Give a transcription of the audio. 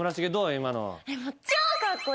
今の。